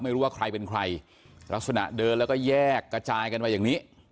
ไม่รู้ว่าใครเป็นใครลักษณะเดินแล้วก็แยกกระจายกันมาอย่างนี้